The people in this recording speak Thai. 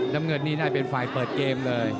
น้ำเงินนี่น่าเป็นฝ่ายเปิดเกมเลย